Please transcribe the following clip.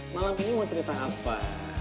malam ini mau cerita apa